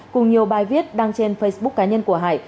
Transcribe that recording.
cùng nhiều bài viết đăng trên facebook cá nhân của hải